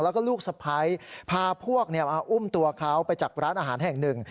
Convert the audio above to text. แล้วก็ลูกสะพ้ายพาพวกมาอุ้มตัวเขาไปจากร้านอาหารแห่งหนึ่ง